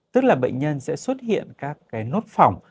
tức là bệnh nhân sẽ xuất hiện các cái nốt phòng